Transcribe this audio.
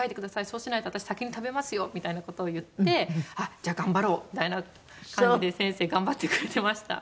「そうしないと私先に食べますよ」みたいな事を言ってあっじゃあ頑張ろうみたいな感じで先生頑張ってくれてました。